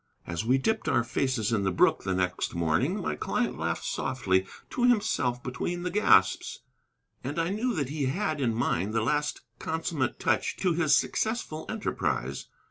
As we dipped our faces in the brook the next morning my client laughed softly to himself between the gasps, and I knew that he had in mind the last consummate touch to his successful enterprise.